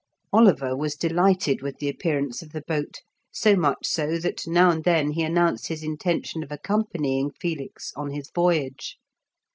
Oliver was delighted with the appearance of the boat, so much so that now and then he announced his intention of accompanying Felix on his voyage.